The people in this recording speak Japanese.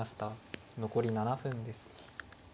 残り７分です。